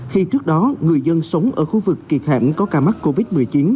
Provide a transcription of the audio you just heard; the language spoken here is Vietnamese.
khi trước đó người dân sống ở khu vực kỳ khẽm có ca mắc covid một mươi chín